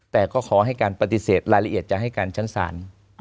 แต่ก็ขอให้การปฏิเสธรายละเอียดจะให้การชั้นศาล